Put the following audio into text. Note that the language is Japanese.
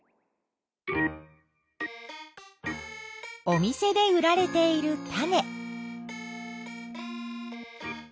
お店で売られている種。